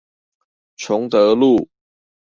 崇德路